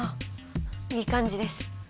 いい感じです。